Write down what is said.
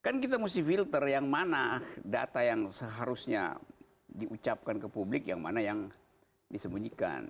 kan kita mesti filter yang mana data yang seharusnya diucapkan ke publik yang mana yang disembunyikan